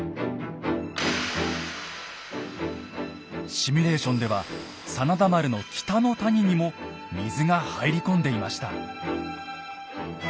シミュレーションでは真田丸の北の谷にも水が入り込んでいました。